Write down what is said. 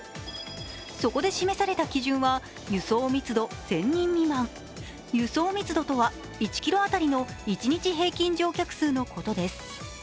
そこで示された基準は輸送密度１０００人未満輸送密度とは１ｋｍ当たりの一日平均乗客数のことです。